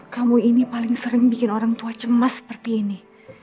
kamu ini paling sering bikin orang tua cemas seperti ini